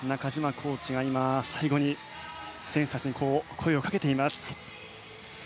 コーチが、最後に選手たちに声をかけています。